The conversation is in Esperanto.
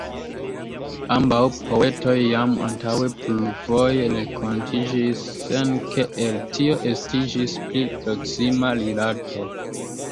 Ambaŭ poetoj jam antaŭe plurfoje renkontiĝis, sen ke el tio estiĝis pli proksima rilato.